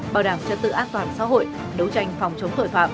bảo đảm chất tự ác toàn xã hội đấu tranh phòng chống tội phạm